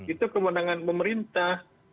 itu kewenangan pemerintah